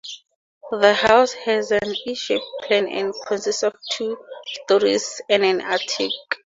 The house has an E-shaped plan and consists of two storeys and an attic.